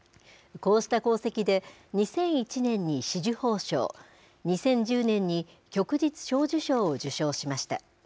こうした功績で、２００１年に紫綬褒章、２０１０年に旭日小綬章を受章しました。